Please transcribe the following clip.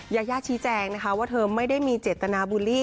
ยายาชี้แจงนะคะว่าเธอไม่ได้มีเจตนาบูลลี่